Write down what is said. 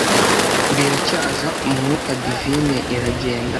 Biracyaza umwuka Divine iragenda